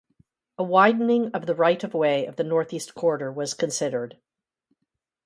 A widening of the right-of way of the Northeast Corridor was considered.